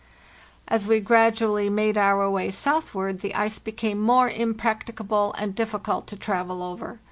As we gradually made our way southward the ice be came more impracticable and difficult to travel over.